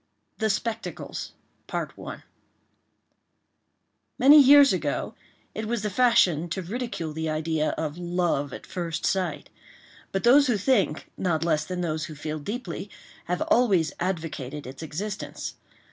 THE SPECTACLES Many years ago, it was the fashion to ridicule the idea of "love at first sight;" but those who think, not less than those who feel deeply, have always advocated its existence.